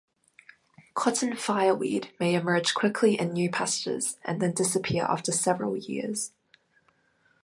Cotton fireweed may emerge quickly in new pastures and then disappear after several years.